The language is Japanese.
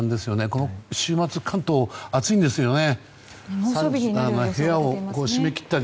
この週末関東は暑いんですよね。